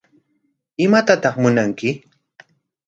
¿Imatataq munanki?